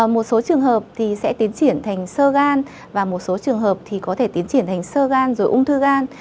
một số trường hợp thì sẽ tiến triển thành sơ gan và một số trường hợp thì có thể tiến triển thành sơ gan rồi ung thư gan